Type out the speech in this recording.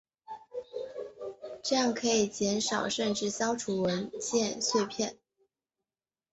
这样可以减少甚至消除文件碎片。